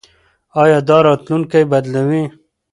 ایا دا راتلونکی بدلوي؟